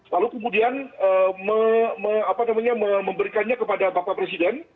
lalu kemudian memberikannya kepada bapak presiden